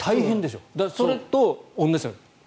それと同じです。